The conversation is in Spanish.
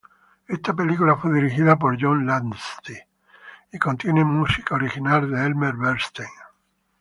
Esta película fue dirigida por John Landis y contiene música original de Elmer Bernstein.